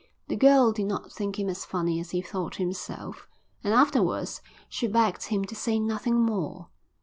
The girl did not think him as funny as he thought himself, and afterwards she begged him to say nothing more.